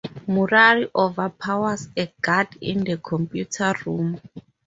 Murray overpowers a guard in the computer room.